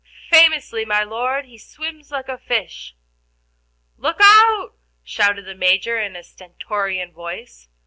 "Famously, my Lord, he swims like a fish." "Lookout!" shouted the Major, in a stentorian voice.